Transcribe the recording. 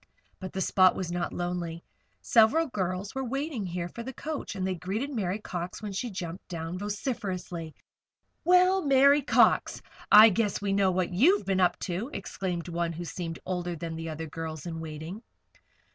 But the spot was not lonely. Several girls were waiting here for the coach, and they greeted Mary Cox when she jumped down, vociferously. "Well, Mary Cox! I guess we know what you've been up to," exclaimed one who seemed older than the other girls in waiting.